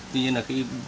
tuy nhiên là